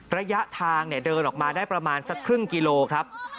ระยะทางเดินออกมาได้ประมาณสักครึ่งกิโลครับ